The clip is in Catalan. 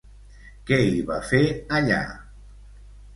Què hi va fer allà?